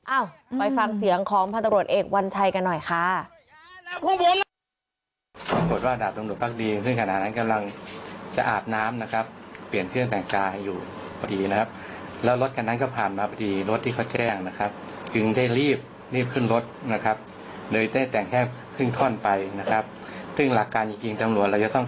เอ้าไปฟังเสียงของพันธบรวจเอกวัญชัยกันหน่อยค่ะ